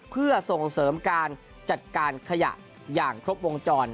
เพื่อส่งเสริมการจัดการขยะอย่างครบวงจร